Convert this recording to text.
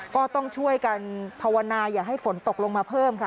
ก็ต้องช่วยกันภาวนาอย่าให้ฝนตกลงมาเพิ่มค่ะ